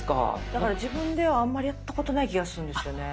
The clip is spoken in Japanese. だから自分ではあんまりやったことない気がするんですよね。